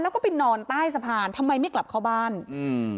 แล้วก็ไปนอนใต้สะพานทำไมไม่กลับเข้าบ้านอืม